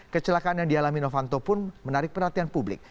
kecelakaan yang dialami novanto pun menarik perhatian publik